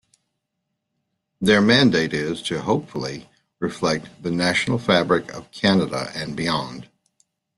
Their mandate is to, hopefully reflect the national fabric of Canada and beyond.